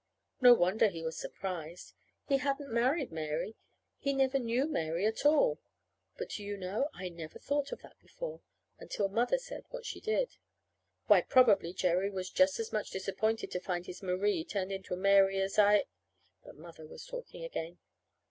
No wonder he was surprised. He hadn't married Mary he never knew Mary at all. But, do you know? I'd never thought of that before until Mother said what she did. Why, probably Jerry was just as much disappointed to find his Marie turned into a Mary as I But Mother was talking again.